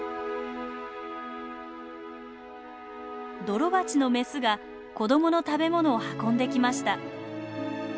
ドロバチのメスが子供の食べ物を運んできました。